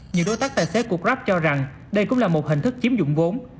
nhiều đối tác tài xế của grab cho rằng đây cũng là một hình thức chiếm dụng vốn